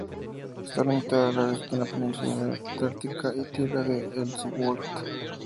Está limitada al oeste por la península Antártica y la Tierra de Ellsworth.